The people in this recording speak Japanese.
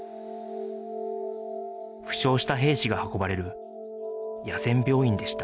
負傷した兵士が運ばれる野戦病院でした